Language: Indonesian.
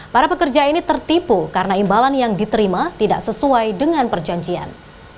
para pekerja ini tertipu karena imbalan yang diterima tidak sesuai dengan perjanjian